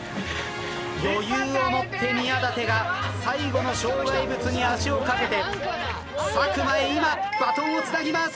余裕を持って宮舘が最後の障害物に足をかけて佐久間へ今バトンをつなぎます。